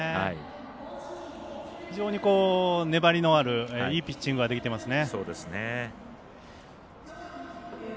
非常に粘りのあるいいピッチングができていますね。